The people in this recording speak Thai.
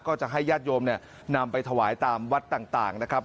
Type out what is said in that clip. ก็จะให้ญาติโยมเนี่ยนำไปถวายตามวัดต่างนะครับ